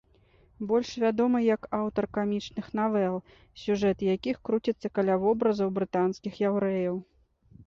Больш вядомы як аўтар камічных навел, сюжэт якіх круціцца каля вобразаў брытанскіх яўрэяў.